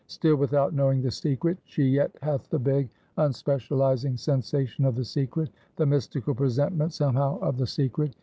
Still, without knowing the secret, she yet hath the vague, unspecializing sensation of the secret the mystical presentiment, somehow, of the secret.